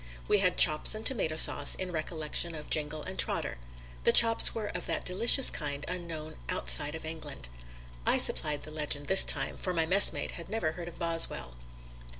We had chops and tomato sauce in recollection of Jingle and Trotter. The chops were of that delicious kind unknown outside of England. I supplied the legend this time, for my messmate had never heard of Boswell.